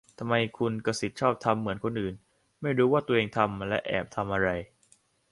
ทำไมคุณกษิตชอบทำเหมือนคนอื่นไม่รู้ว่าตัวเองทำและแอบทำอะไร ?